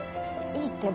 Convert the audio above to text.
いいってば。